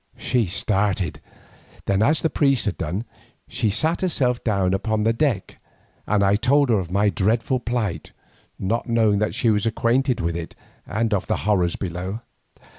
She started, then as the priest had done, she sat herself down upon the deck, and I told her of my dreadful plight, not knowing that she was acquainted with it, and of the horrors below.